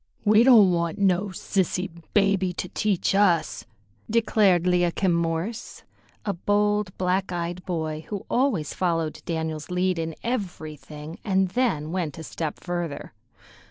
"We don't want no sissy baby to teach us," declared 'Liakim Morse, a bold, black eyed boy, who always followed Daniel's lead in everything and then went a step further.